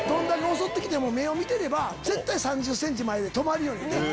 襲って来ても目を見てれば３０ｃｍ前で止まりよんねんて。